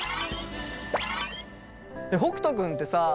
北斗君ってさあ。